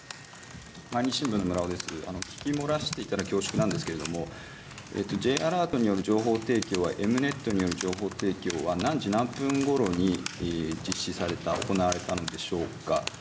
聞きもらしていたら恐縮なんですけれども、Ｊアラートによる情報提供は、Ｅｍ−Ｎｅｔによる情報提供は何時何分ごろに実施された、行われたんでしょうか。